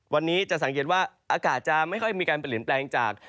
วันนี้จะสังเกตว่าอากาศจะไม่ค่อยมีการเปลี่ยนแปลงจาก